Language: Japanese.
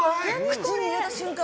口に入れた瞬間。